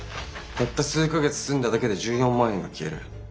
たった数か月住んだだけで１４万円が消える。